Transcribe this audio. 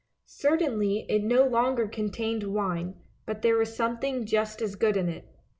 Certainly it no longer contained wine, but there was some thing just as good in it.